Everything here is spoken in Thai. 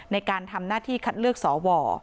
ในการทำหน้าที่คัดเลือกสว